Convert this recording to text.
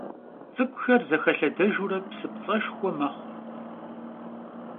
Ts'ık'uxer zexelhedejjure psıpts'eşşxue mexhu.